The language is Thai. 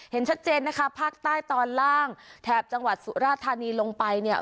เห็นชัดเจนนะคะภาคใต้ตอนล่างแถบจังหวัดสุราธานีลงไปเนี่ย